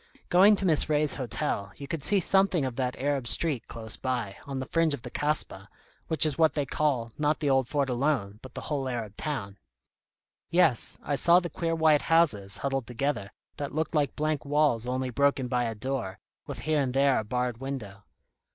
Going to Miss Ray's hotel, you could see something of that Arab street close by, on the fringe of the Kasbah which is what they call, not the old fort alone, but the whole Arab town." "Yes. I saw the queer white houses, huddled together, that looked like blank walls only broken by a door, with here and there a barred window."